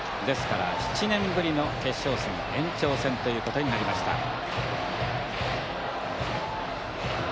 ですから７年ぶりの決勝戦延長戦ということになりました。